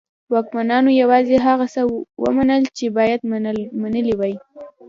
واکمنانو یوازې هغه څه ومنل چې باید منلي وای.